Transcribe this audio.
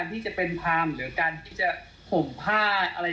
เดี๋ยวจะเดินทุดงไปพระม่างหรือยังไง